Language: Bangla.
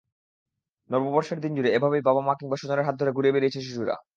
নববর্ষের দিনজুড়ে এভাবেই বাবা-মা কিংবা স্বজনের হাত ধরে ঘুরে বেরিয়েছে শিশুরা।